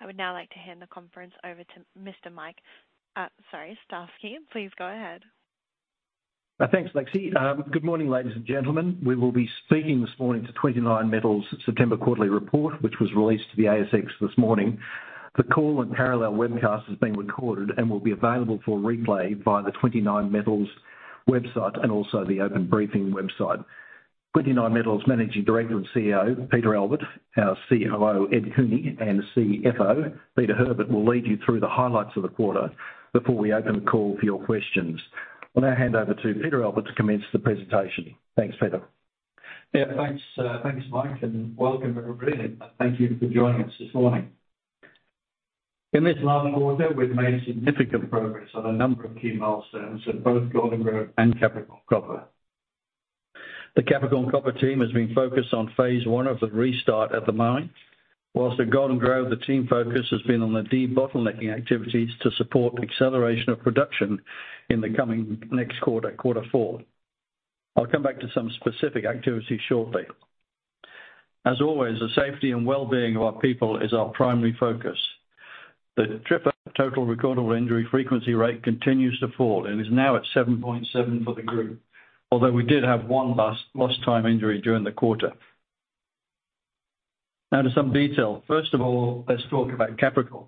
I would now like to hand the conference over to Mr. Mike, sorry, Slifirski. Please go ahead. Thanks, Lexi. Good morning, ladies and gentlemen. We will be speaking this morning to 29Metals' September quarterly report, which was released to the ASX this morning. The call and parallel webcast is being recorded and will be available for replay via the 29Metals website and also the Open Briefing website. 29Metals Managing Director and CEO, Peter Albert, our COO, Ed Cooney, and CFO, Peter Herbert, will lead you through the highlights of the quarter before we open the call for your questions. I'll now hand over to Peter Albert to commence the presentation. Thanks, Peter. Yeah, thanks, thanks, Mike, and welcome, everybody. Thank you for joining us this morning. In this last quarter, we've made significant progress on a number of key milestones at both Golden Grove and Capricorn Copper. The Capricorn Copper team has been focused on phase one of the restart at the mine, while at Golden Grove, the team focus has been on the de-bottlenecking activities to support acceleration of production in the coming next quarter, quarter four. I'll come back to some specific activities shortly. As always, the safety and well-being of our people is our primary focus. The total recordable injury frequency rate continues to fall and is now at 7.7 for the group, although we did have one last lost time injury during the quarter. Now to some detail. First of all, let's talk about Capricorn.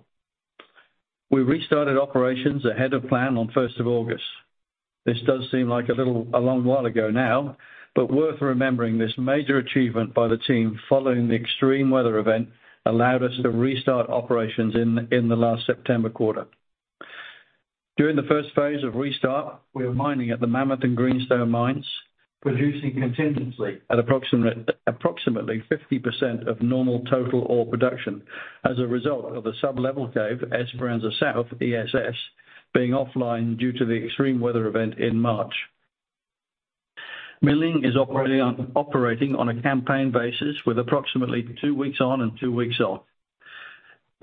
We restarted operations ahead of plan on first of August. This does seem like a little, a long while ago now, but worth remembering this major achievement by the team, following the extreme weather event, allowed us to restart operations in, in the last September quarter. During the first phase of restart, we were mining at the Mammoth and Greenstone mines, producing contingently at approximately 50% of normal total ore production as a result of a sub-level cave, Esperanza South, ESS, being offline due to the extreme weather event in March. Milling is operating on a campaign basis with approximately two weeks on and two weeks off.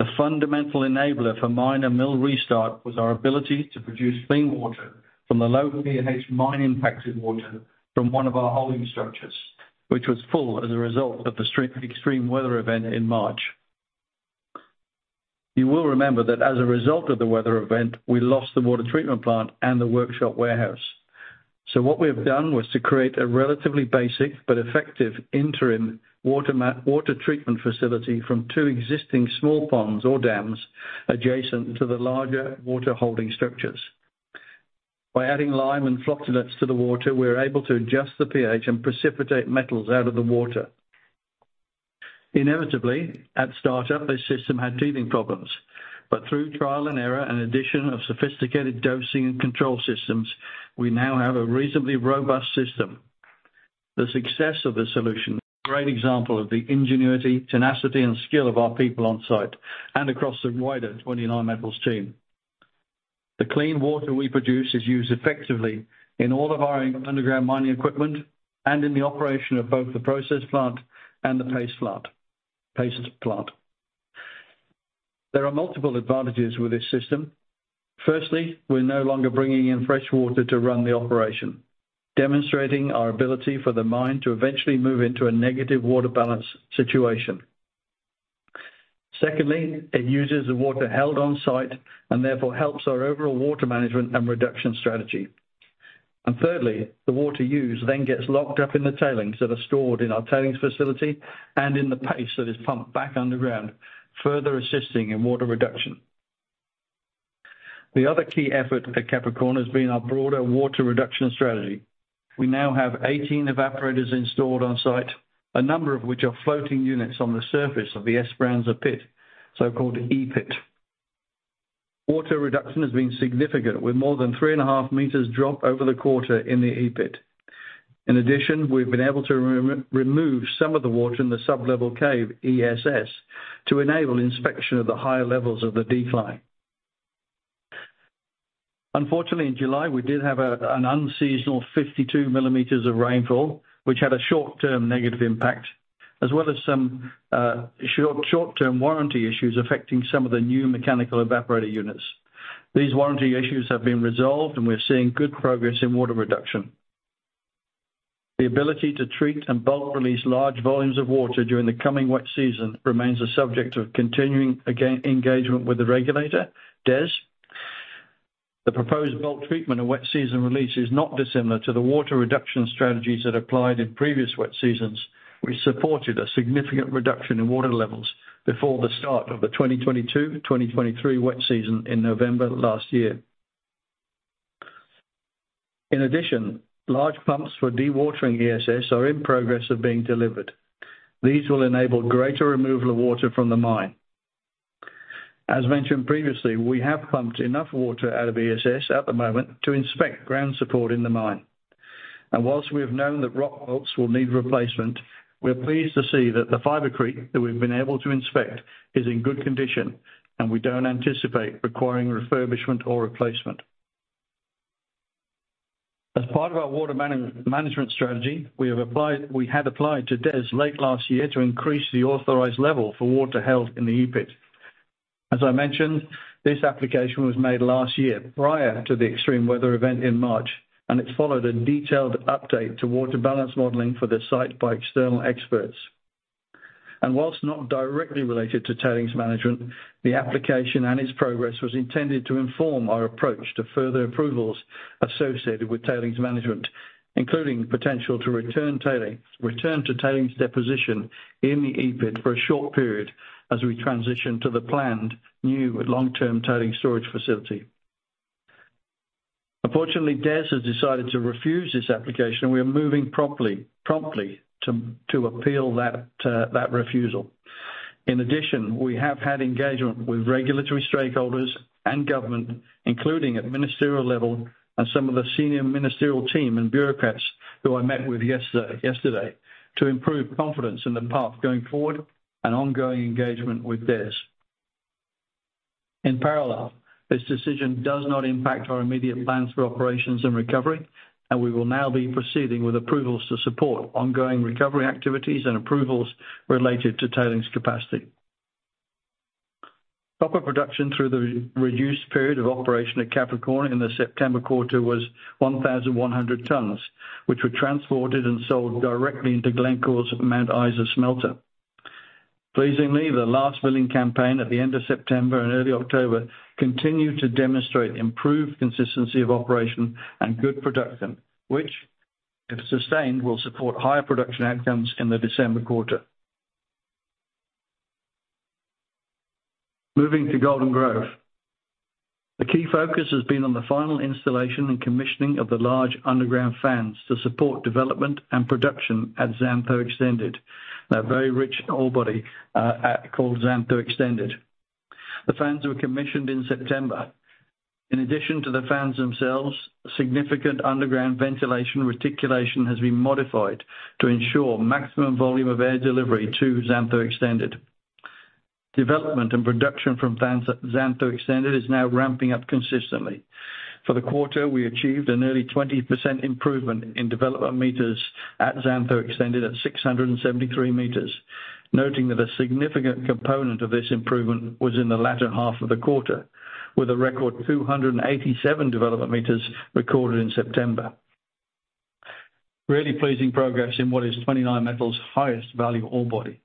The fundamental enabler for mine and mill restart was our ability to produce clean water from the low pH mine-impacted water from one of our holding structures, which was full as a result of the extreme weather event in March. You will remember that as a result of the weather event, we lost the water treatment plant and the workshop warehouse. So what we have done was to create a relatively basic but effective interim water treatment facility from two existing small ponds or dams adjacent to the larger water-holding structures. By adding lime and flocculants to the water, we're able to adjust the pH and precipitate metals out of the water. Inevitably, at startup, this system had teething problems, but through trial and error and addition of sophisticated dosing and control systems, we now have a reasonably robust system. The success of this solution, great example of the ingenuity, tenacity, and skill of our people on-site and across the wider 29Metals team. The clean water we produce is used effectively in all of our underground mining equipment and in the operation of both the process plant and the paste plant, paste plant. There are multiple advantages with this system. Firstly, we're no longer bringing in fresh water to run the operation, demonstrating our ability for the mine to eventually move into a negative water balance situation. Secondly, it uses the water held on-site and therefore helps our overall water management and reduction strategy. And thirdly, the water used then gets locked up in the tailings that are stored in our tailings facility and in the paste that is pumped back underground, further assisting in water reduction. The other key effort at Capricorn has been our broader water reduction strategy. We now have 18 evaporators installed on-site, a number of which are floating units on the surface of the Esperanza pit, so-called E-pit. Water reduction has been significant, with more than 3.5 meters drop over the quarter in the E-pit. In addition, we've been able to remove some of the water in the sublevel cave, ESS, to enable inspection of the higher levels of the decline. Unfortunately, in July, we did have an unseasonal 52 millimeters of rainfall, which had a short-term negative impact, as well as some short-term warranty issues affecting some of the new mechanical evaporator units. These warranty issues have been resolved, and we're seeing good progress in water reduction. The ability to treat and bulk release large volumes of water during the coming wet season remains a subject of continuing again, engagement with the regulator, DES. The proposed bulk treatment of wet season release is not dissimilar to the water reduction strategies that applied in previous wet seasons, which supported a significant reduction in water levels before the start of the 2022/2023 wet season in November last year. In addition, large pumps for dewatering ESS are in progress of being delivered. These will enable greater removal of water from the mine. As mentioned previously, we have pumped enough water out of ESS at the moment to inspect ground support in the mine. While we have known that rock bolts will need replacement, we're pleased to see that the fibrecrete that we've been able to inspect is in good condition, and we don't anticipate requiring refurbishment or replacement. As part of our water management strategy, we had applied to DES late last year to increase the authorized level for water held in the E-pit. As I mentioned, this application was made last year, prior to the extreme weather event in March, and it followed a detailed update to water balance modeling for the site by external experts. And while not directly related to tailings management, the application and its progress was intended to inform our approach to further approvals associated with tailings management, including potential to return to tailings deposition in the E-pit for a short period as we transition to the planned new long-term tailings storage facility. Unfortunately, DES has decided to refuse this application, and we are moving promptly to appeal that refusal. In addition, we have had engagement with regulatory stakeholders and government, including at ministerial level and some of the senior ministerial team and bureaucrats who I met with yesterday to improve confidence in the path going forward and ongoing engagement with DES. In parallel, this decision does not impact our immediate plans for operations and recovery, and we will now be proceeding with approvals to support ongoing recovery activities and approvals related to tailings capacity. Copper production through the reduced period of operation at Capricorn in the September quarter was 1,100 tonnes, which were transported and sold directly into Glencore's Mount Isa smelter. Pleasingly, the last milling campaign at the end of September and early October continued to demonstrate improved consistency of operation and good production, which, if sustained, will support higher production outcomes in the December quarter. Moving to Golden Grove. The key focus has been on the final installation and commissioning of the large underground fans to support development and production at Xantho Extended, a very rich ore body called Xantho Extended. The fans were commissioned in September. In addition to the fans themselves, significant underground ventilation reticulation has been modified to ensure maximum volume of air delivery to Xantho Extended. Development and production from fans at Xantho Extended is now ramping up consistently. For the quarter, we achieved a nearly 20% improvement in development meters at Xantho Extended at 673 meters, noting that a significant component of this improvement was in the latter half of the quarter, with a record 287 development meters recorded in September. Really pleasing progress in what is 29Metals' highest value ore body.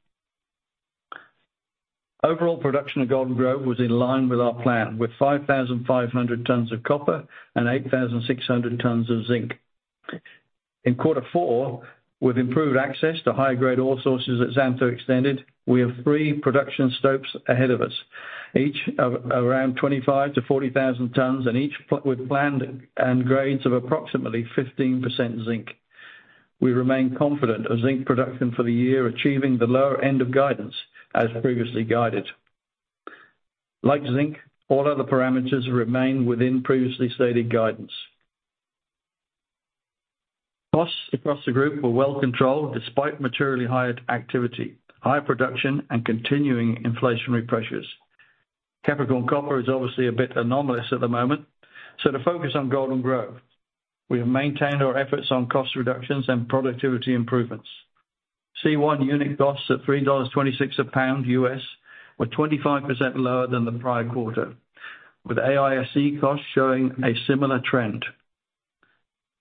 Overall production of Golden Grove was in line with our plan, with 5,500 tonnes of copper and 8,600 tonnes of zinc. In quarter four, with improved access to high-grade ore sources at Xantho Extended, we have three production stopes ahead of us, each of around 25,000-40,000 tonnes and each with planned end grades of approximately 15% zinc. We remain confident of zinc production for the year, achieving the lower end of guidance as previously guided. Like zinc, all other parameters remain within previously stated guidance. Costs across the group were well controlled, despite materially higher activity, higher production, and continuing inflationary pressures. Capricorn Copper is obviously a bit anomalous at the moment, so to focus on Golden Grove, we have maintained our efforts on cost reductions and productivity improvements. C1 unit costs at $3.26 a pound U.S. were 25% lower than the prior quarter, with AISC costs showing a similar trend.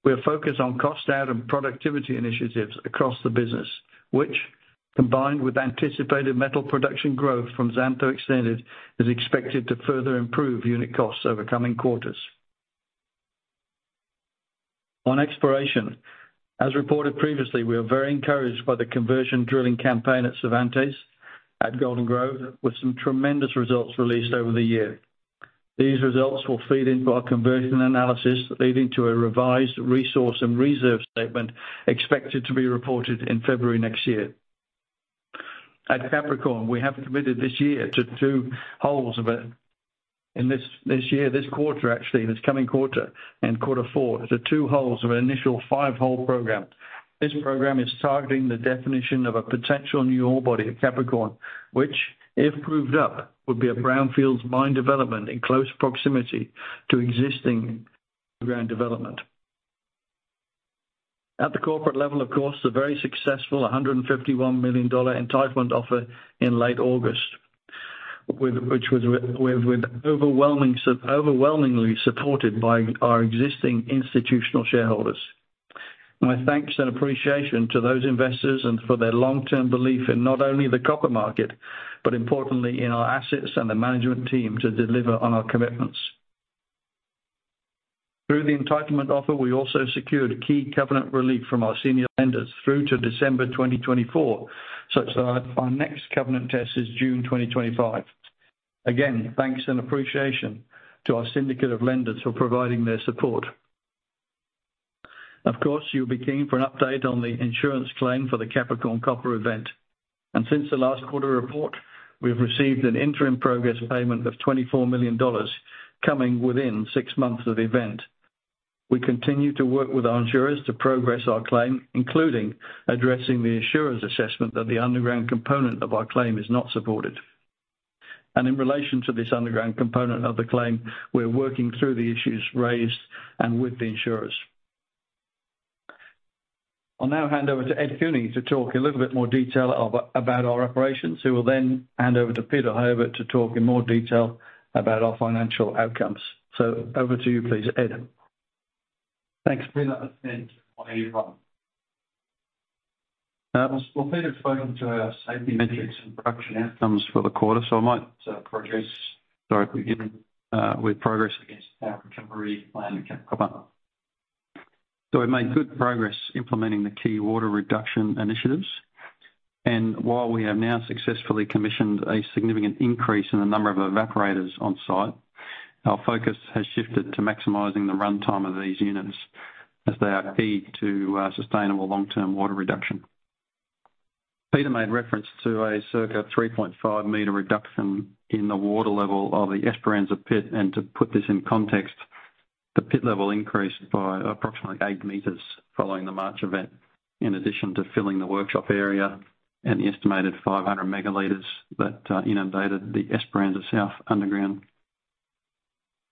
We are focused on cost out and productivity initiatives across the business, which, combined with anticipated metal production growth from Xantho Extended, is expected to further improve unit costs over coming quarters. On exploration, as reported previously, we are very encouraged by the conversion drilling campaign at Cervantes at Golden Grove, with some tremendous results released over the year. These results will feed into our conversion analysis, leading to a revised resource and reserve statement expected to be reported in February next year. At Capricorn, we have committed this year to two holes of it. In this, this year, this quarter, actually, this coming quarter and quarter four, the two holes of an initial five-hole program. This program is targeting the definition of a potential new ore body at Capricorn, which, if proved up, would be a brownfields mine development in close proximity to existing ground development. At the corporate level, of course, a very successful 151 million dollar entitlement offer in late August, which was overwhelmingly supported by our existing institutional shareholders. My thanks and appreciation to those investors and for their long-term belief in not only the copper market, but importantly in our assets and the management team to deliver on our commitments. Through the entitlement offer, we also secured a key covenant relief from our senior lenders through to December 2024, such that our next covenant test is June 2025. Again, thanks and appreciation to our syndicate of lenders for providing their support. Of course, you'll be keen for an update on the insurance claim for the Capricorn Copper event, and since the last quarter report, we've received an interim progress payment of 24 million dollars coming within six months of the event. We continue to work with our insurers to progress our claim, including addressing the insurer's assessment that the underground component of our claim is not supported. In relation to this underground component of the claim, we're working through the issues raised and with the insurers. I'll now hand over to Ed Cooney to talk a little bit more detail about our operations. He will then hand over to Peter Herbert to talk in more detail about our financial outcomes. Over to you, please, Ed. Thanks, Peter, and morning, everyone. Well, Peter spoke to our safety metrics and production outcomes for the quarter, so I might progress directly beginning with progress against our recovery plan at Capricorn. So we've made good progress implementing the key water reduction initiatives, and while we have now successfully commissioned a significant increase in the number of evaporators on site, our focus has shifted to maximizing the runtime of these units as they are key to sustainable long-term water reduction. Peter made reference to a circa 3.5-meter reduction in the water level of the Esperanza pit, and to put this in context, the pit level increased by approximately 8 meters following the March event, in addition to filling the workshop area and the estimated 500 megaliters that inundated the Esperanza South underground.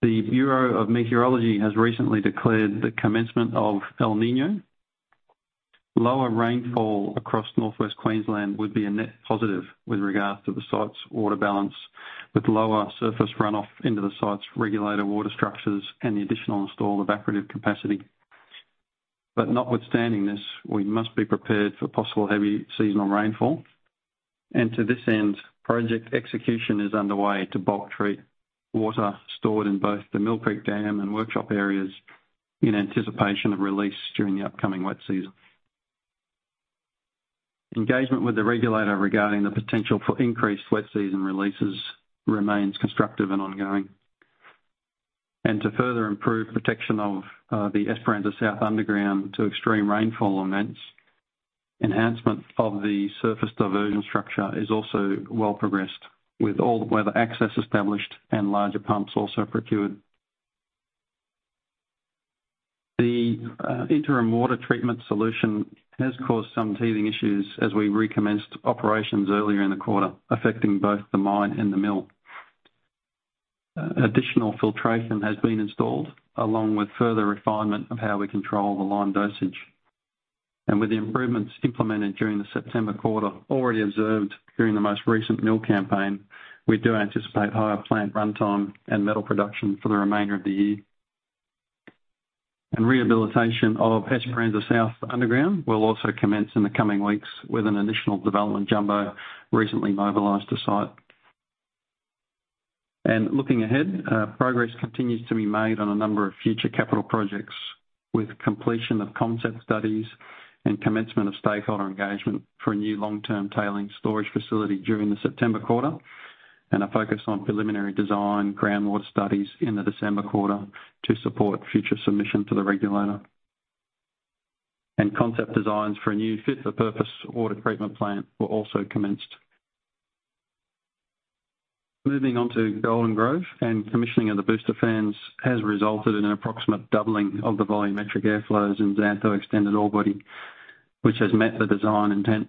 The Bureau of Meteorology has recently declared the commencement of El Niño. Lower rainfall across Northwest Queensland would be a net positive with regards to the site's water balance, with lower surface runoff into the site's regulated water structures and the additional installed evaporative capacity. But notwithstanding this, we must be prepared for possible heavy seasonal rainfall. And to this end, project execution is underway to bulk treat water stored in both the Mill Creek Dam and workshop areas in anticipation of release during the upcoming wet season. Engagement with the regulator regarding the potential for increased wet season releases remains constructive and ongoing. And to further improve protection of the Esperanza South underground to extreme rainfall events, enhancement of the surface diversion structure is also well progressed, with all-weather access established and larger pumps also procured. The interim water treatment solution has caused some teething issues as we recommenced operations earlier in the quarter, affecting both the mine and the mill. Additional filtration has been installed, along with further refinement of how we control the lime dosage. With the improvements implemented during the September quarter already observed during the most recent mill campaign, we do anticipate higher plant runtime and metal production for the remainder of the year. Rehabilitation of Esperanza South underground will also commence in the coming weeks, with an additional development jumbo recently mobilized to site. Looking ahead, progress continues to be made on a number of future capital projects, with completion of concept studies and commencement of stakeholder engagement for a new long-term tailings storage facility during the September quarter, and a focus on preliminary design groundwater studies in the December quarter to support future submission to the regulator. Concept designs for a new fit-for-purpose water treatment plant were also commenced. Moving on to Golden Grove, commissioning of the booster fans has resulted in an approximate doubling of the volumetric air flows in Xantho Extended ore body, which has met the design intent.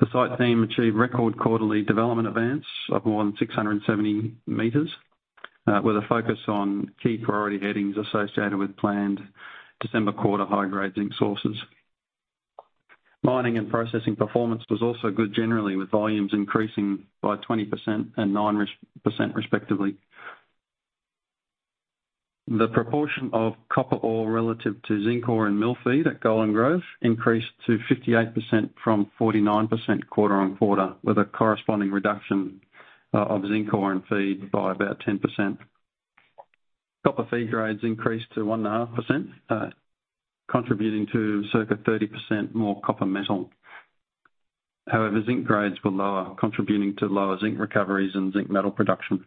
The site team achieved record quarterly development events of more than 670 meters, with a focus on key priority headings associated with planned December quarter high-grade sources. Mining and processing performance was also good, generally, with volumes increasing by 20% and 9%, respectively. The proportion of copper ore relative to zinc ore and mill feed at Golden Grove increased to 58% from 49% quarter on quarter, with a corresponding reduction of zinc ore and feed by about 10%. Copper feed grades increased to 1.5%, contributing to circa 30% more copper metal. However, zinc grades were lower, contributing to lower zinc recoveries and zinc metal production.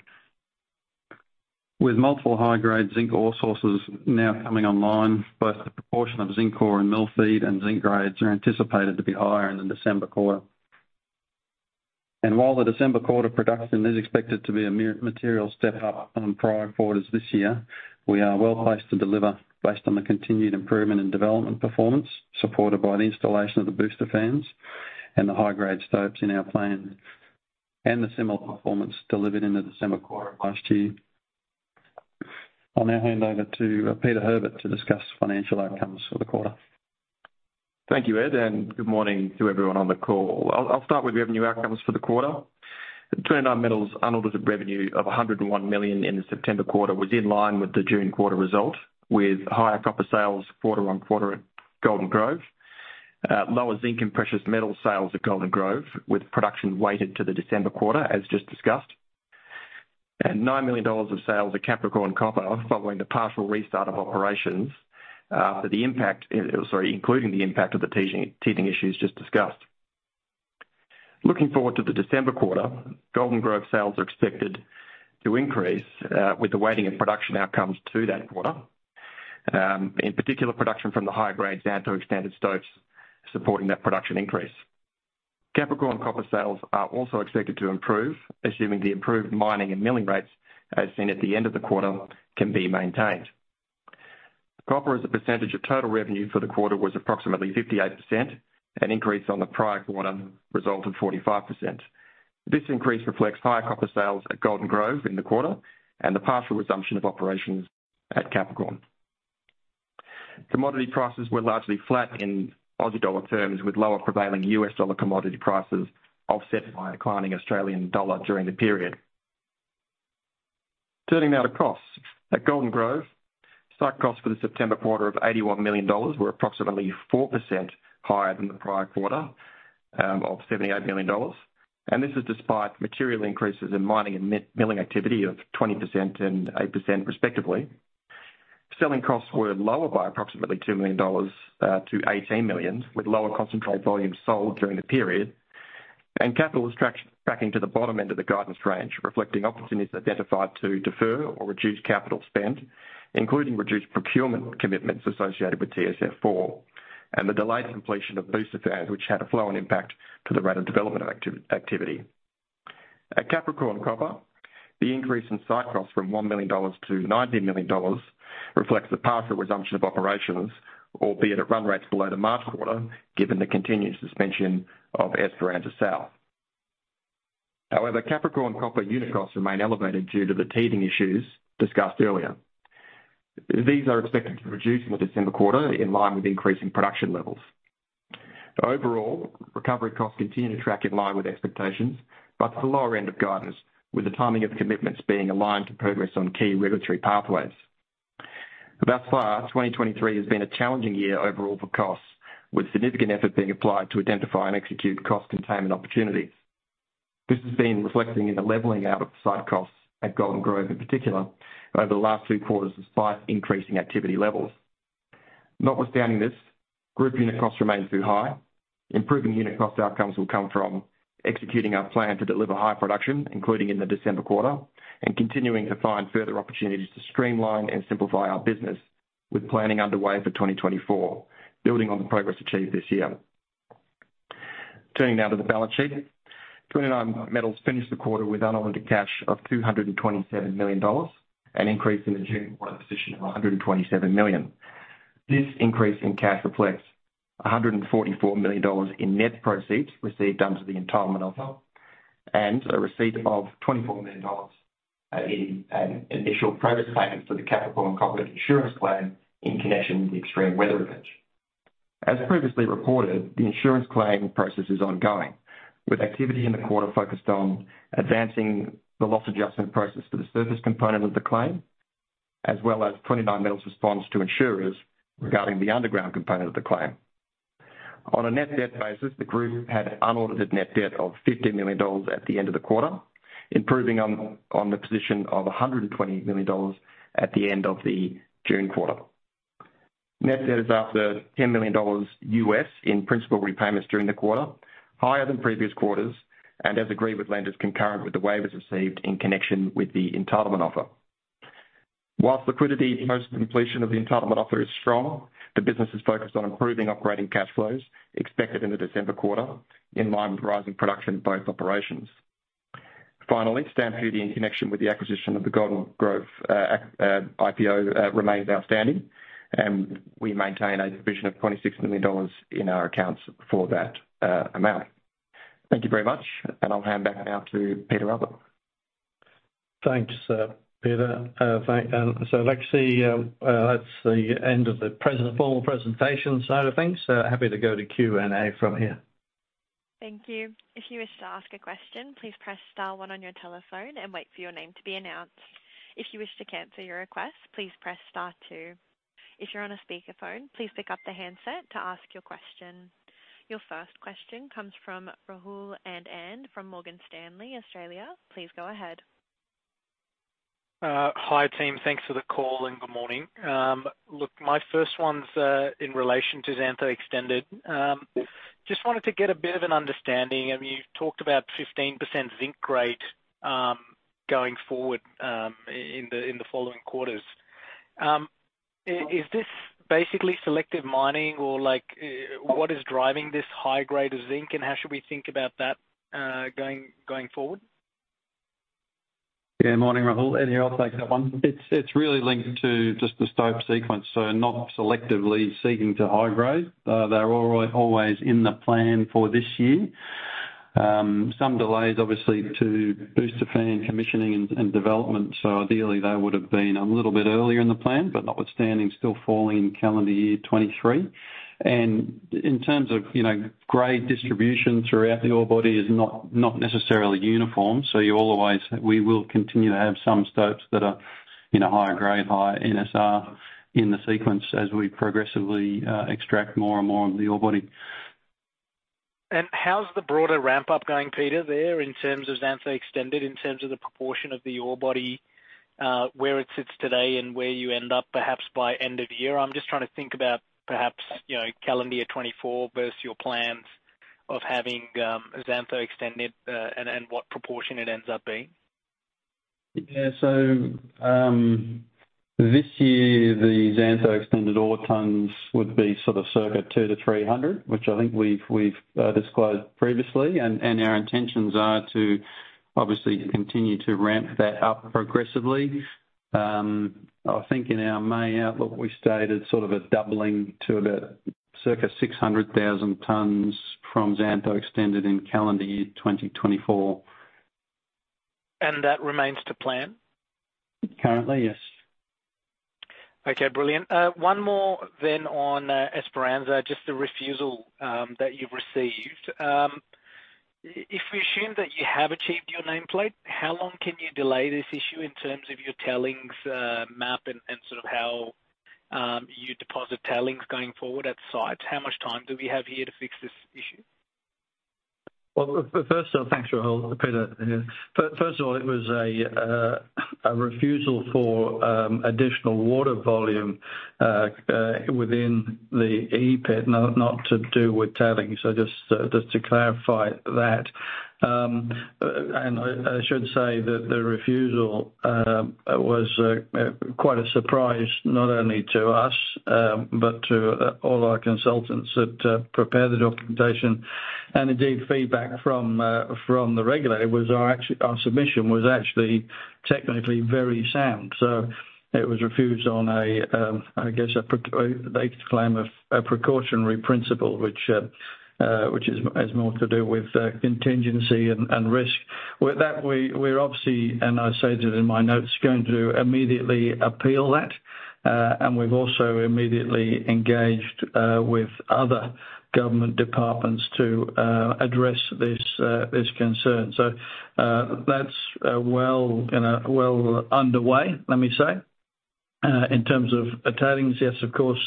With multiple high-grade zinc ore sources now coming online, both the proportion of zinc ore and mill feed and zinc grades are anticipated to be higher in the December quarter. And while the December quarter production is expected to be a material step up from prior quarters this year, we are well placed to deliver based on the continued improvement in development performance, supported by the installation of the booster fans and the high-grade stopes in our plan, and the similar performance delivered in the December quarter of last year. I'll now hand over to Peter Herbert to discuss financial outcomes for the quarter. Thank you, Ed, and good morning to everyone on the call. I'll start with revenue outcomes for the quarter. 29Metals unaudited revenue of 101 million in the September quarter was in line with the June quarter result, with higher copper sales quarter on quarter at Golden Grove. Lower zinc and precious metal sales at Golden Grove, with production weighted to the December quarter, as just discussed. And 9 million dollars of sales at Capricorn Copper, following the partial restart of operations, including the impact of the teething issues just discussed. Looking forward to the December quarter, Golden Grove sales are expected to increase, with the weighting of production outcomes to that quarter. In particular, production from the high-grade Xantho Extended stopes supporting that production increase. Capricorn Copper sales are also expected to improve, assuming the improved mining and milling rates, as seen at the end of the quarter, can be maintained. Copper, as a percentage of total revenue for the quarter, was approximately 58%, an increase on the prior quarter result of 45%. This increase reflects higher copper sales at Golden Grove in the quarter and the partial resumption of operations at Capricorn. Commodity prices were largely flat in Aussie dollar terms, with lower prevailing U.S. dollar commodity prices offset by a declining Australian dollar during the period. Turning now to costs. At Golden Grove, site costs for the September quarter of 81 million dollars were approximately 4% higher than the prior quarter of 78 million dollars. This is despite material increases in mining and milling activity of 20% and 8% respectively. Selling costs were lower by approximately 2 million dollars, to 18 million, with lower concentrate volumes sold during the period. Capital is tracking to the bottom end of the guidance range, reflecting opportunities identified to defer or reduce capital spend, including reduced procurement commitments associated with TSF4, and the delayed completion of booster fans, which had a flow-on impact to the rate of development activity. At Capricorn Copper, the increase in site costs from 1 million dollars to 19 million dollars reflects the partial resumption of operations, albeit at run rates below the March quarter, given the continued suspension of Esperanza South. However, Capricorn Copper unit costs remain elevated due to the teething issues discussed earlier. These are expected to reduce in the December quarter, in line with increasing production levels. Overall, recovery costs continue to track in line with expectations, but to the lower end of guidance, with the timing of the commitments being aligned to progress on key regulatory pathways. Thus far, 2023 has been a challenging year overall for costs, with significant effort being applied to identify and execute cost containment opportunities. This has been reflecting in the leveling out of site costs at Golden Grove in particular, over the last two quarters, despite increasing activity levels. Notwithstanding this, group unit costs remain too high. Improving unit cost outcomes will come from executing our plan to deliver high production, including in the December quarter, and continuing to find further opportunities to streamline and simplify our business, with planning underway for 2024, building on the progress achieved this year. Turning now to the balance sheet. 29Metals finished the quarter with unaudited cash of AUD 227 million, an increase in the June quarter position of AUD 127 million. This increase in cash reflects 144 million dollars in net proceeds received under the entitlement offer, and a receipt of 24 million dollars in an initial progress payment for the Capricorn Copper insurance claim in connection with the extreme weather event. As previously reported, the insurance claim process is ongoing, with activity in the quarter focused on advancing the loss adjustment process for the surface component of the claim, as well as 29Metals' response to insurers regarding the underground component of the claim. On a net debt basis, the group had unaudited net debt of 50 million dollars at the end of the quarter, improving on the position of 120 million dollars at the end of the June quarter. Net debt is after $10 million in principal repayments during the quarter, higher than previous quarters, and as agreed with lenders concurrent with the waivers received in connection with the entitlement offer. While liquidity post-completion of the entitlement offer is strong, the business is focused on improving operating cash flows expected in the December quarter, in line with rising production in both operations. Finally, stamp duty, in connection with the acquisition of the Golden Grove IPO, remains outstanding, and we maintain a provision of 26 million dollars in our accounts for that amount. Thank you very much, and I'll hand back now to Peter Albert. Thanks, Peter. Thank you, and so let's see, that's the end of the formal presentation side of things. So happy to go to Q&A from here. Thank you. If you wish to ask a question, please press star one on your telephone and wait for your name to be announced. If you wish to cancel your request, please press star two. If you're on a speakerphone, please pick up the handset to ask your question. Your first question comes from Rahul Anand from Morgan Stanley Australia. Please go ahead. Hi, team. Thanks for the call, and good morning. Look, my first one's in relation to Xantho Extended. Just wanted to get a bit of an understanding. I mean, you've talked about 15% zinc grade going forward in the following quarters. Is this basically selective mining or like what is driving this high grade of zinc, and how should we think about that going forward? Yeah, morning, Rahul. Eddie here, I'll take that one. It's, it's really linked to just the stope sequence, so not selectively seeking to high grade. They're always in the plan for this year. Some delays obviously to booster fan commissioning and development, so ideally they would have been a little bit earlier in the plan, but notwithstanding, still falling in calendar year 2023. And in terms of, you know, grade distribution throughout the ore body is not, not necessarily uniform, so we will continue to have some stopes that are, you know, higher grade, higher NSR in the sequence as we progressively extract more and more of the ore body. How's the broader ramp-up going, Peter, there, in terms of Xantho Extended, in terms of the proportion of the ore body, where it sits today and where you end up perhaps by end of year? I'm just trying to think about perhaps, you know, calendar year 2024 versus your plans of having, Xantho Extended, and what proportion it ends up being. Yeah. So, this year, the Xantho Extended ore tonnes would be sort of circa 200,000-300,000, which I think we've disclosed previously. And our intentions are to obviously continue to ramp that up progressively. I think in our May outlook, we stated sort of a doubling to about circa 600,000 tonnes from Xantho Extended in calendar year 2024. That remains to plan? Currently, yes. Okay, brilliant. One more then on Esperanza, just the refusal that you've received. If we assume that you have achieved your nameplate, how long can you delay this issue in terms of your tailings map and sort of how you deposit tailings going forward at site? How much time do we have here to fix this issue? Well, first of all, thanks, Rahul. Peter, first of all, it was a refusal for additional water volume within the E-pit, not to do with tailings. So just to clarify that. And I should say that the refusal was quite a surprise, not only to us, but to all our consultants that prepared the documentation. And indeed, feedback from the regulator was actually our submission was actually technically very sound. So it was refused on a, I guess, a precautionary principle, they claim, which has more to do with contingency and risk. With that, we're obviously, and I stated in my notes, going to immediately appeal that, and we've also immediately engaged with other government departments to address this concern. So, that's well, you know, well underway, let me say. In terms of tailings, yes, of course,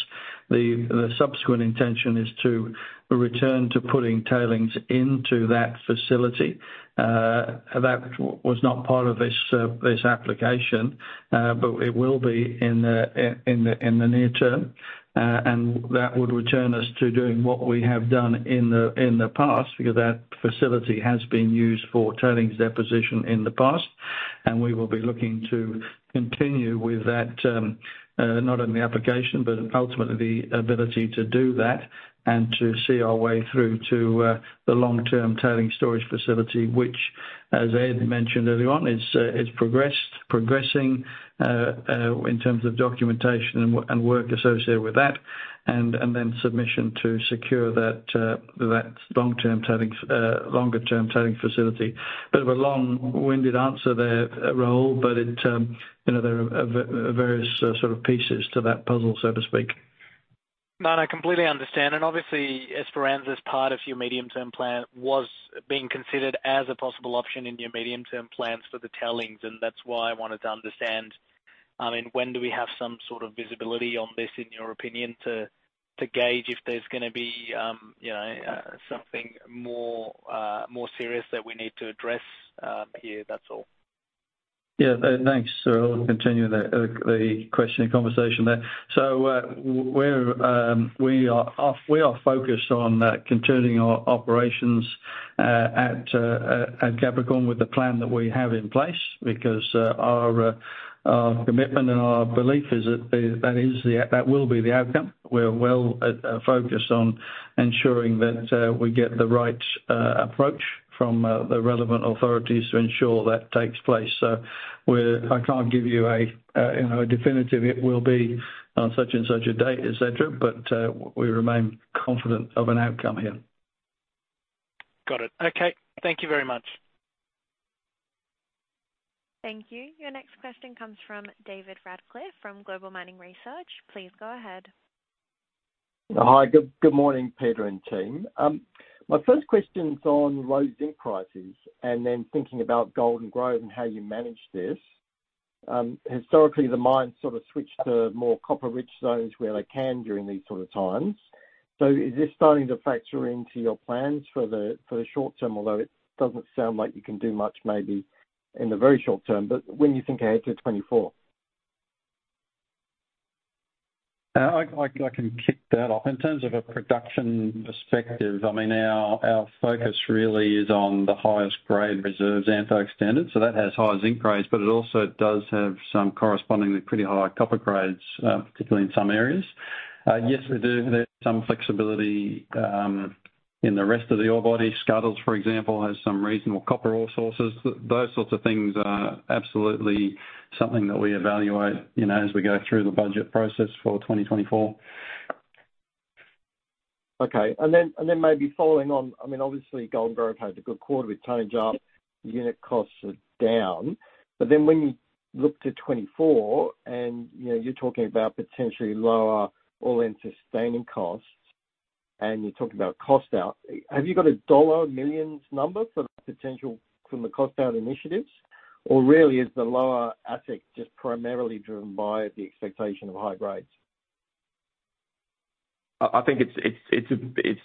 the subsequent intention is to return to putting tailings into that facility. That was not part of this application, but it will be in the near term. And that would return us to doing what we have done in the past, because that facility has been used for tailings deposition in the past, and we will be looking to continue with that, not only application, but ultimately the ability to do that and to see our way through to the long-term tailing storage facility, which, as Ed mentioned earlier on, is progressing in terms of documentation and work associated with that, and then submission to secure that long-term tailings longer-term tailing facility. Bit of a long-winded answer there, Rahul, but you know, there are various sort of pieces to that puzzle, so to speak. No, I completely understand, and obviously, Esperanza's part of your medium-term plan was being considered as a possible option in your medium-term plans for the tailings, and that's why I wanted to understand, I mean, when do we have some sort of visibility on this, in your opinion, to gauge if there's gonna be, you know, something more, more serious that we need to address, here? That's all. Yeah, thanks, Rahul. Continue the question and conversation there. So, we are focused on continuing our operations at Capricorn with the plan that we have in place, because our commitment and our belief is that that will be the outcome. We're well focused on ensuring that we get the right approach from the relevant authorities to ensure that takes place. So we're, I can't give you a, you know, a definitive, "It will be on such and such a date," et cetera, but we remain confident of an outcome here. Got it. Okay. Thank you very much. Thank you. Your next question comes from David Radclyffe from Global Mining Research. Please go ahead. Hi, good, good morning, Peter and team. My first question is on low zinc prices and then thinking about Golden Grove and how you manage this. Historically, the mines sort of switched to more copper-rich zones where they can during these sort of times. So is this starting to factor into your plans for the short term, although it doesn't sound like you can do much, maybe in the very short term, but when you think ahead to 2024? I can kick that off. In terms of a production perspective, I mean, our focus really is on the highest grade reserves, Xantho Extended. So that has high zinc grades, but it also does have some correspondingly pretty high copper grades, particularly in some areas. Yes, we do have some flexibility in the rest of the ore body. Scuddles, for example, has some reasonable copper ore sources. Those sorts of things are absolutely something that we evaluate, you know, as we go through the budget process for 2024. Okay. Then maybe following on, I mean, obviously, Golden Grove had a good quarter with tonnage up, unit costs are down, but then when you look to 2024, and, you know, you're talking about potentially lower All-in Sustaining Costs, and you're talking about cost out. Have you got a dollar millions number for the potential from the cost out initiatives? Or really, is the lower asset just primarily driven by the expectation of high grades? I think it's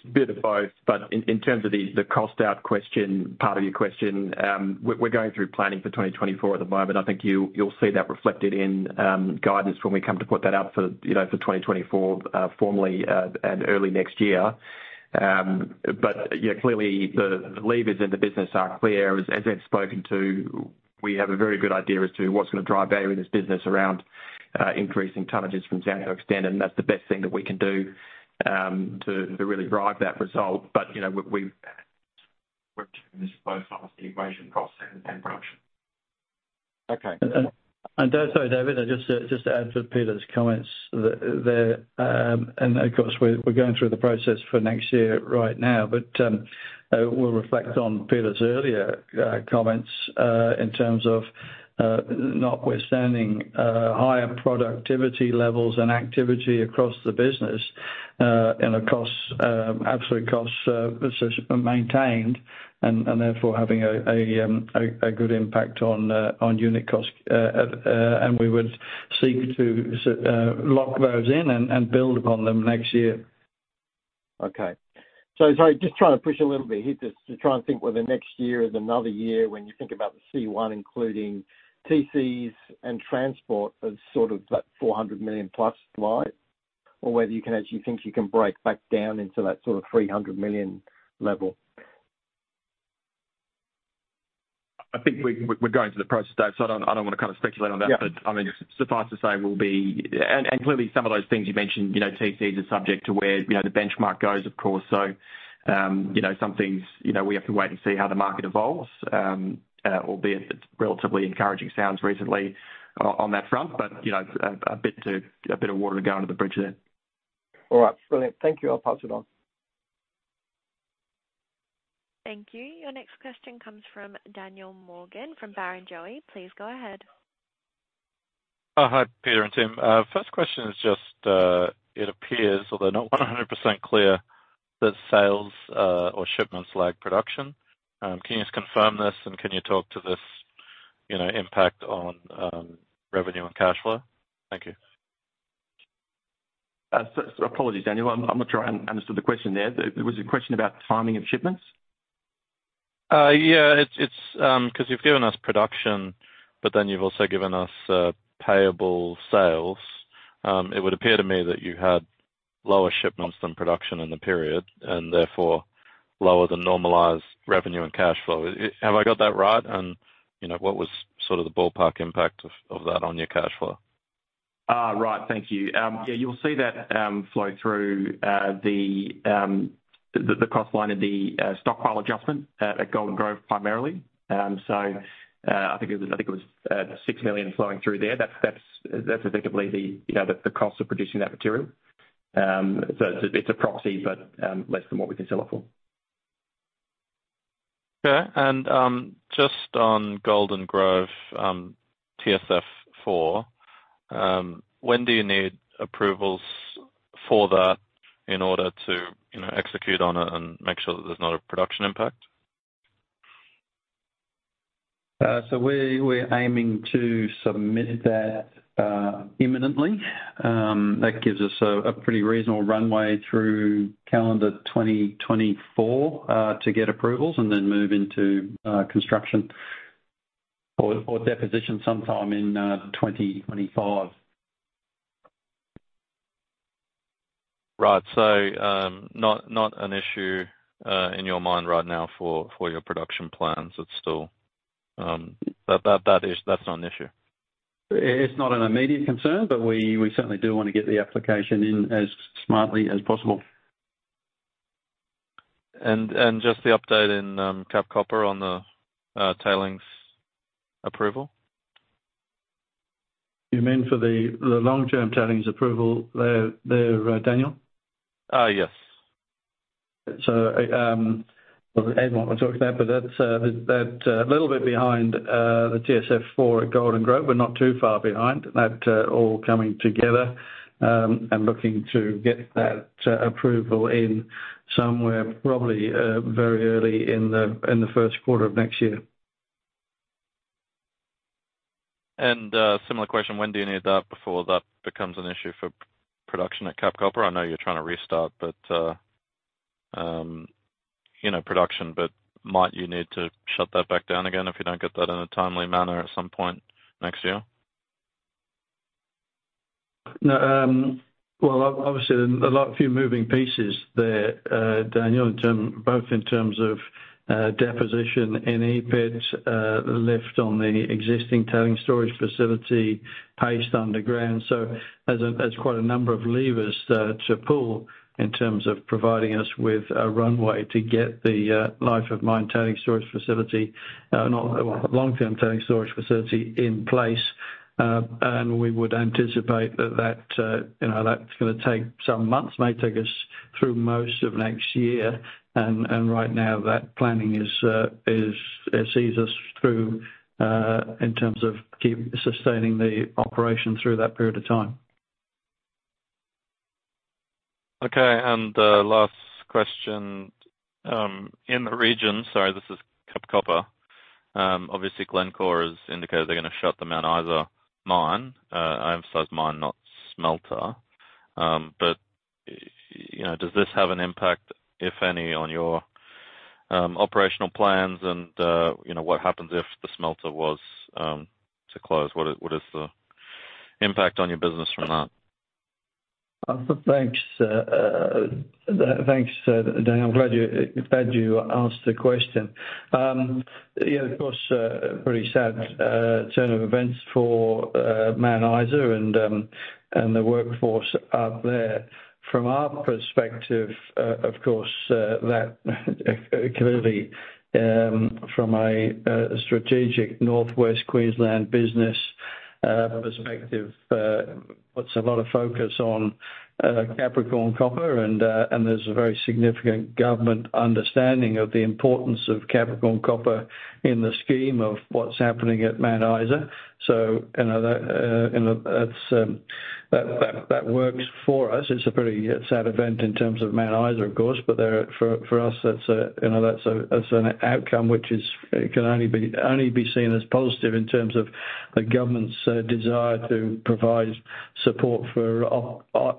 a bit of both, but in terms of the cost out question, part of your question, we're going through planning for 2024 at the moment. I think you'll see that reflected in guidance when we come to put that out for, you know, for 2024, formally early next year. But yeah, clearly, the levers in the business are clear. As Ed spoken to, we have a very good idea as to what's gonna drive value in this business around increasing tonnages from Xantho Extended, and that's the best thing that we can do to really drive that result. But, you know, we've, we're taking this both off the equation cost and production. Okay. Sorry, David, I just just to add to Peter's comments there, and of course, we're going through the process for next year right now, but we'll reflect on Peter's earlier comments in terms of, notwithstanding higher productivity levels and activity across the business, and the costs, absolute costs so maintained, and therefore, having a good impact on unit costs. And we would seek to lock those in and build upon them next year. Okay. So sorry, just trying to push a little bit here, just to try and think whether next year is another year when you think about the C1, including TCs and transport of sort of that 400 million+ side? Or whether you can actually think you can break back down into that sort of 300 million level. I think we're going through the process today, so I don't want to kind of speculate on that. Yeah. But, I mean, suffice to say, we'll be and clearly, some of those things you mentioned, you know, TCs are subject to where, you know, the benchmark goes, of course. So, you know, some things, you know, we have to wait and see how the market evolves, albeit it's relatively encouraging sounds recently on that front, but, you know, a bit of water to go under the bridge there. All right, brilliant. Thank you. I'll pass it on. Thank you. Your next question comes from Daniel Morgan, from Barrenjoey. Please go ahead. Hi, Peter and Tim. First question is just, it appears, although not 100% clear, that sales or shipments lag production. Can you just confirm this, and can you talk to this, you know, impact on revenue and cash flow? Thank you. Apologies, Daniel. I'm not sure I understood the question there. It was a question about the timing of shipments? Yeah, it's 'cause you've given us production, but then you've also given us payable sales. It would appear to me that you had lower shipments than production in the period, and therefore, lower than normalized revenue and cash flow. Have I got that right? And, you know, what was sort of the ballpark impact of that on your cash flow? Ah, right. Thank you. Yeah, you'll see that flow through the cost line of the stockpile adjustment at Golden Grove, primarily. So, I think it was 6 million flowing through there. That's effectively the, you know, the cost of producing that material. So it's a proxy, but less than what we can sell it for. Okay. And just on Golden Grove, TSF4, when do you need approvals for that in order to, you know, execute on it and make sure that there's not a production impact? So we're aiming to submit that imminently. That gives us a pretty reasonable runway through calendar 2024 to get approvals and then move into construction or deposition sometime in 2025. Right. So, not an issue in your mind right now for your production plans? It's still that that's not an issue. It's not an immediate concern, but we certainly do want to get the application in as smartly as possible. Just the update in Capricorn Copper on the tailings approval. You mean for the long-term tailings approval there, Daniel? Uh, yes. Ed might want to talk to that, but that's a little bit behind the TSF4 at Golden Grove, but not too far behind. That's all coming together, and looking to get that approval in somewhere, probably very early in the first quarter of next year. Similar question: When do you need that before that becomes an issue for production at Cap Copper? I know you're trying to restart, but, you know, production, but might you need to shut that back down again if you don't get that in a timely manner at some point next year? No, well, obviously, there are a lot of few moving pieces there, Daniel, in terms—both in terms of deposition in E-pit, left on the existing tailings storage facility, paste underground. So as quite a number of levers to pull in terms of providing us with a runway to get the life of mine tailings storage facility, not long-term tailings storage facility in place. And we would anticipate that, you know, that's gonna take some months, may take us through most of next year. And right now, that planning is, it sees us through in terms of keep sustaining the operation through that period of time. Okay, and last question in the region. Sorry, this is Cap Copper. Obviously, Glencore has indicated they're gonna shut the Mount Isa mine. I emphasize mine, not smelter. But you know, does this have an impact, if any, on your operational plans? And you know, what happens if the smelter was to close? What is the impact on your business from that? Thanks, Daniel. I'm glad you asked the question. Yeah, of course, a pretty sad turn of events for Mount Isa and the workforce up there. From our perspective, of course, that clearly, from a strategic Northwest Queensland business perspective, puts a lot of focus on Capricorn Copper, and there's a very significant government understanding of the importance of Capricorn Copper in the scheme of what's happening at Mount Isa. So, you know, that works for us. It's a pretty sad event in terms of Mount Isa, of course, but there, for us, that's a, you know, that's an outcome which is- it can only be seen as positive in terms of the government's desire to provide support for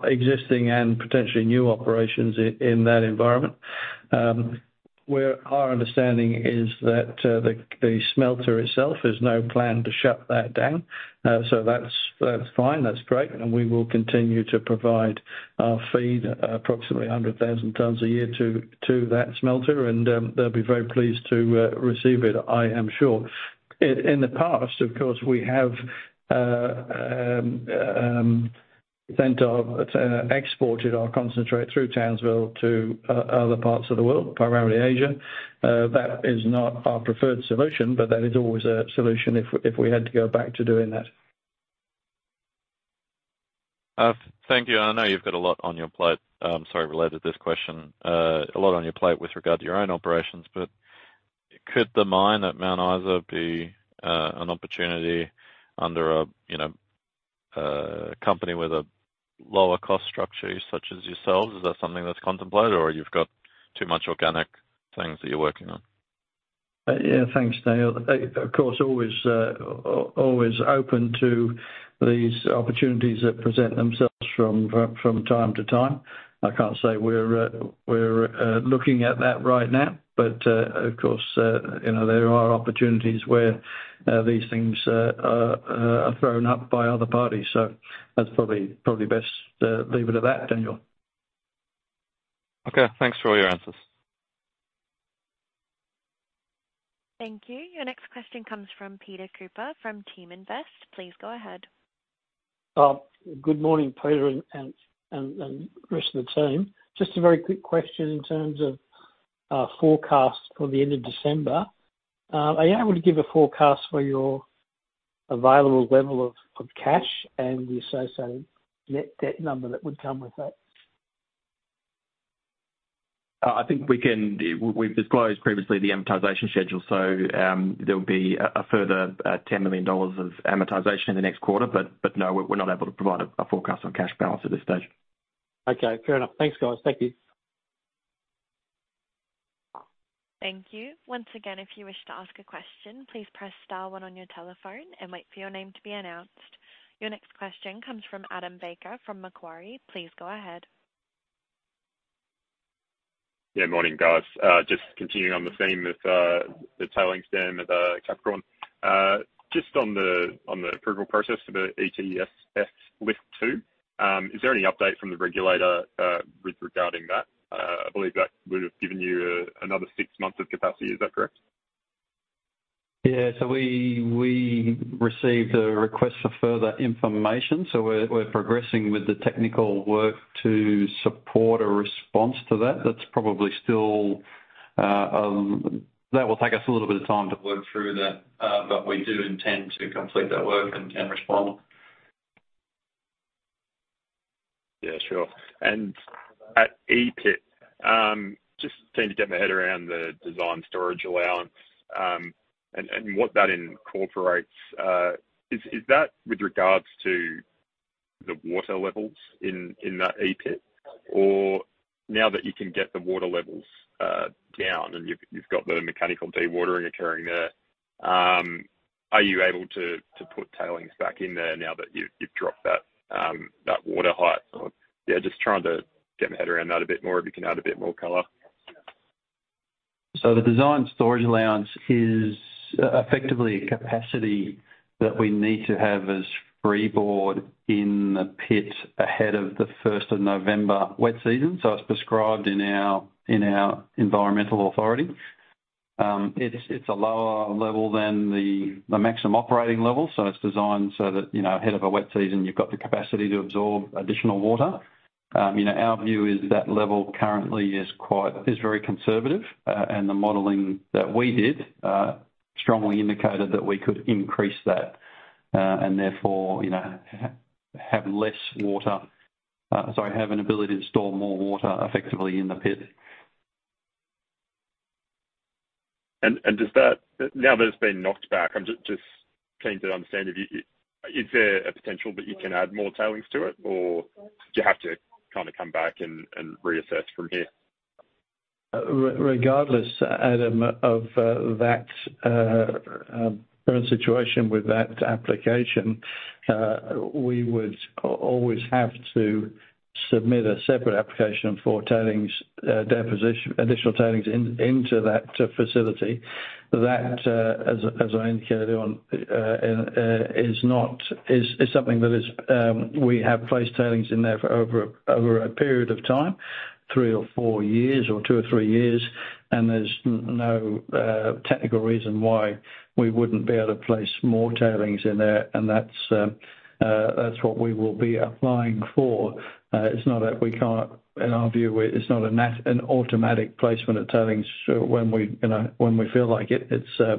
existing and potentially new operations in that environment. Where our understanding is that the smelter itself, there's no plan to shut that down. So that's fine. That's great, and we will continue to provide feed approximately 100,000 tonnes a year to that smelter, and they'll be very pleased to receive it, I am sure. In the past, of course, we have exported our concentrate through Townsville to other parts of the world, primarily Asia. That is not our preferred solution, but that is always a solution if we had to go back to doing that. Thank you. I know you've got a lot on your plate. Sorry, related to this question. A lot on your plate with regard to your own operations, but could the mine at Mount Isa be an opportunity under a, you know, a company with a lower cost structure, such as yourselves? Is that something that's contemplated, or you've got too much organic things that you're working on? Yeah, thanks, Daniel. Of course, always open to these opportunities that present themselves from time to time. I can't say we're looking at that right now, but of course you know, there are opportunities where these things are thrown up by other parties. So that's probably best leave it at that, Daniel. Okay. Thanks for all your answers. Thank you. Your next question comes from Peter Cooper from Teaminvest. Please go ahead. Good morning, Peter and rest of the team. Just a very quick question in terms of forecast for the end of December. Are you able to give a forecast for your available level of cash and the associated net debt number that would come with that? I think we can... We've disclosed previously the amortization schedule, so there'll be a further 10 million dollars of amortization in the next quarter. But no, we're not able to provide a forecast on cash balance at this stage. Okay, fair enough. Thanks, guys. Thank you. Thank you. Once again, if you wish to ask a question, please press star one on your telephone and wait for your name to be announced. Your next question comes from Adam Baker, from Macquarie. Please go ahead. Yeah, morning, guys. Just continuing on the theme of the tailings dam at Capricorn. Just on the approval process for the ETSF Lift 2, is there any update from the regulator with regarding that? I believe that would have given you another six months of capacity. Is that correct? Yeah. So we received a request for further information, so we're progressing with the technical work to support a response to that. That's probably still that will take us a little bit of time to work through that, but we do intend to complete that work and respond. Yeah, sure. And at E-pit, just trying to get my head around the design storage allowance, and what that incorporates. Is that with regards to the water levels in that E-pit, or now that you can get the water levels down and you've got the mechanical dewatering occurring there, are you able to put tailings back in there now that you've dropped that water height? Yeah, just trying to get my head around that a bit more, if you can add a bit more color. So the Design Storage Allowance is effectively a capacity that we need to have as freeboard in the pit ahead of the first of November wet season. So it's prescribed in our, in our environmental authority. It's a lower level than the maximum operating level, so it's designed so that, you know, ahead of a wet season, you've got the capacity to absorb additional water. You know, our view is that level currently is very conservative, and the modeling that we did strongly indicated that we could increase that, and therefore, you know, have less water. Sorry, have an ability to store more water effectively in the pit. Now that it's been knocked back, I'm just keen to understand, is there a potential that you can add more tailings to it, or do you have to kind of come back and reassess from here? Regardless, Adam, of that current situation with that application, we would always have to submit a separate application for tailings deposition, additional tailings into that facility. That, as I indicated on, is something that we have placed tailings in there for over a period of time, three or four years, or two or three years, and there's no technical reason why we wouldn't be able to place more tailings in there, and that's what we will be applying for. It's not that we can't, in our view, it's not an automatic placement of tailings, so when we, you know, when we feel like it,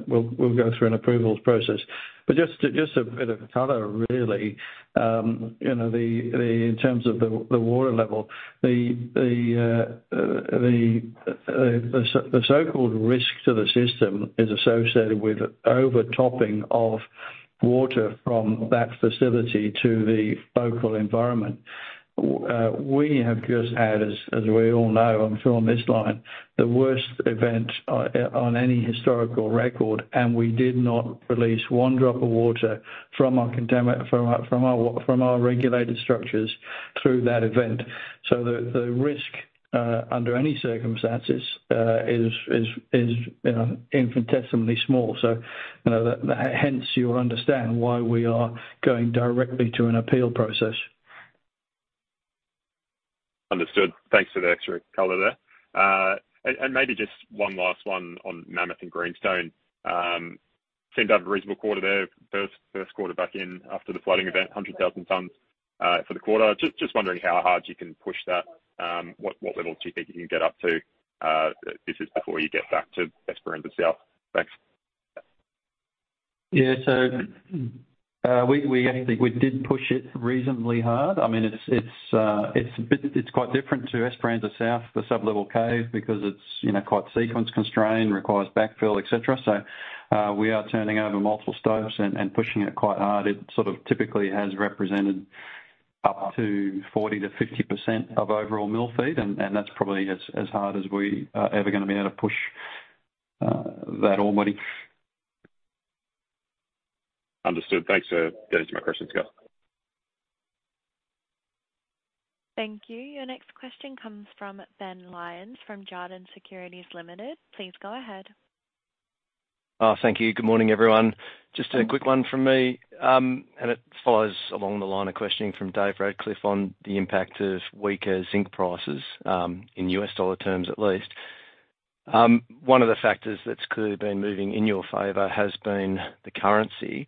we'll go through an approvals process. But just a bit of color, really, you know, in terms of the water level, the so-called risk to the system is associated with overtopping of water from that facility to the local environment. We have just had, as we all know, I'm sure, on this line, the worst event on any historical record, and we did not release one drop of water from our contaminated from our regulated structures through that event. So the risk under any circumstances is, you know, infinitesimally small. So, you know, that hence, you'll understand why we are going directly to an appeal process. Understood. Thanks for the extra color there. And maybe just one last one on Mammoth and Greenstone. Seemed to have a reasonable quarter there. First quarter back in after the flooding event, 100,000 tonnes for the quarter. Just wondering how hard you can push that? What level do you think you can get up to? This is before you get back to Esperanza South. Thanks. Yeah. So, we actually did push it reasonably hard. I mean, it's quite different to Esperanza South, the sublevel cave, because it's, you know, quite sequence constrained, requires backfill, et cetera. So, we are turning over multiple stops and pushing it quite hard. It sort of typically has represented up to 40%-50% of overall mill feed, and that's probably as hard as we are ever gonna be able to push that ore body. Understood. Thanks for those are my questions, guys. Thank you. Your next question comes from Ben Lyons, from Jarden Securities Limited. Please go ahead. Thank you. Good morning, everyone. Just a quick one from me, and it follows along the line of questioning from David Radcliffe on the impact of weaker zinc prices, in US dollar terms, at least. One of the factors that's clearly been moving in your favor has been the currency.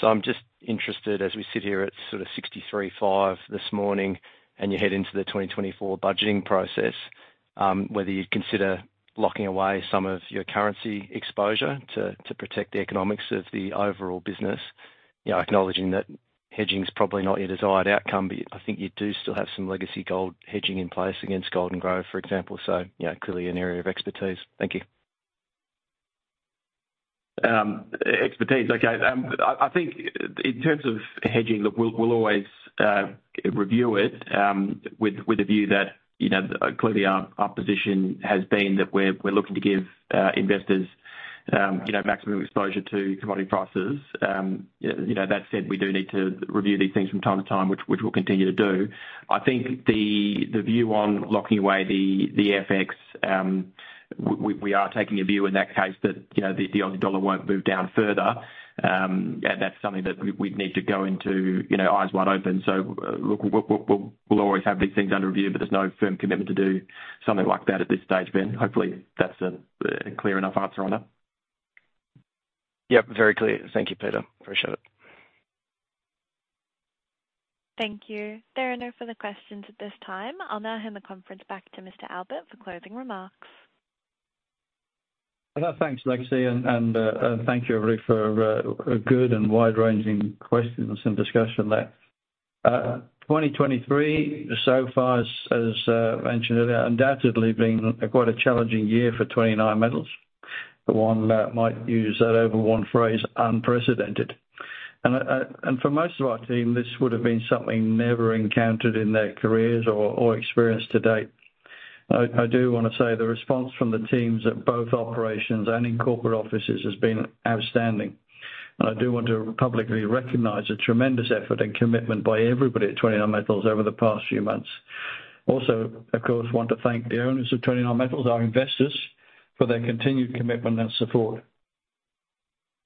So I'm just interested, as we sit here at sort of 63.5 this morning, and you head into the 2024 budgeting process, whether you'd consider locking away some of your currency exposure to protect the economics of the overall business? You know, acknowledging that hedging is probably not your desired outcome, but I think you do still have some legacy gold hedging in place against gold and growth, for example. So, you know, clearly an area of expertise. Thank you. Expertise. Okay. I think in terms of hedging, look, we'll always review it with a view that, you know, clearly our position has been that we're looking to give investors, you know, maximum exposure to commodity prices. You know, that said, we do need to review these things from time to time, which we'll continue to do. I think the view on locking away the FX, we are taking a view in that case that, you know, the Aussie dollar won't move down further. And that's something that we'd need to go into, you know, eyes wide open. So, look, we'll always have these things under review, but there's no firm commitment to do something like that at this stage, Ben. Hopefully, that's a clear enough answer on that. Yep, very clear. Thank you, Peter. Appreciate it. Thank you. There are no further questions at this time. I'll now hand the conference back to Mr. Albert for closing remarks. Thanks, Lexi, and thank you, everybody, for a good and wide-ranging questions and discussion there. 2023, so far as mentioned, undoubtedly been quite a challenging year for 29Metals. But one might use that overused phrase, unprecedented. And for most of our team, this would have been something never encountered in their careers or experience to date. I do wanna say the response from the teams at both operations and in corporate offices has been outstanding. And I do want to publicly recognize the tremendous effort and commitment by everybody at 29Metals over the past few months. Also, of course, want to thank the owners of 29Metals, our investors, for their continued commitment and support.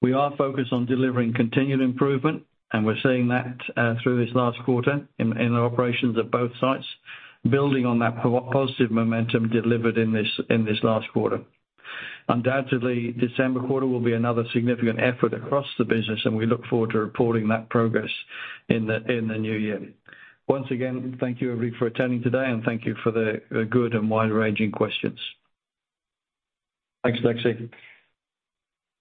We are focused on delivering continued improvement, and we're seeing that through this last quarter in our operations at both sites, building on that positive momentum delivered in this last quarter. Undoubtedly, December quarter will be another significant effort across the business, and we look forward to reporting that progress in the new year. Once again, thank you everyone for attending today, and thank you for the good and wide-ranging questions. Thanks, Lexi.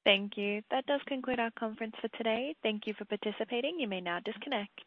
Thank you. That does conclude our conference for today. Thank you for participating. You may now disconnect.